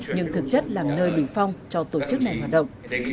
nhưng thực chất làm nơi bình phong cho tổ chức này hoạt động